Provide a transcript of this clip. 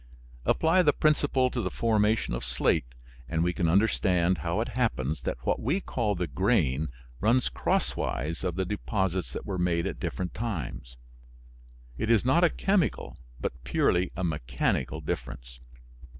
Apply the principle to the formation of slate, and we can understand how it happens that what we call the grain runs crosswise of the deposits that were made at different times. It is not a chemical, but purely a mechanical difference.